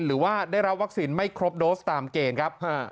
หรือว่าได้รับวัคซีนไม่ครบโดสตามเกณฑ์ครับ